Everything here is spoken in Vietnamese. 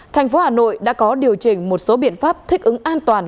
thành phố hà nội đã có điều chỉnh một số biện pháp thích ứng an toàn